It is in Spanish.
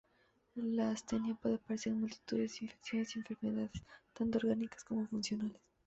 La astenia puede aparecer en múltiples infecciones y enfermedades, tanto orgánicas como funcionales.